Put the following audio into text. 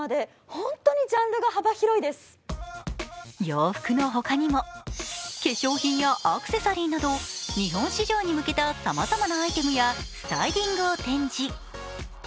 洋服のほかにも化粧品やアクセサリーなど日本市場に向けたさまざまなアイテムやスタイリングを展示。